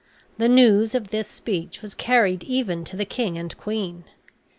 The news of this speech was carried even to the king and queen.